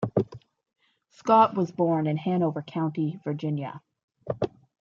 Scott was born in Hanover County, Virginia.